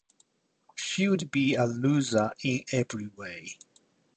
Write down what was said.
She would be a loser in every way.